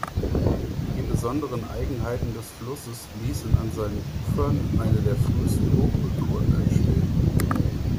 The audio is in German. Die besonderen Eigenheiten des Flusses ließen an seinen Ufern eine der frühesten Hochkulturen entstehen.